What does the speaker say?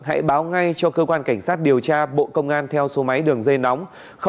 hãy báo ngay cho cơ quan cảnh sát điều tra bộ công an theo số máy đường dây nóng